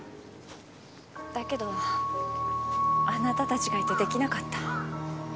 だけどあなたたちがいて出来なかった。